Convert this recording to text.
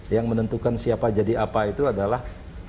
yang menentukan siapa jadi apa itu adalah